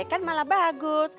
kan malah bagus